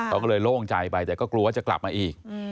เขาก็เลยโล่งใจไปแต่ก็กลัวว่าจะกลับมาอีก